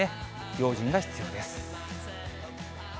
用心が必要です。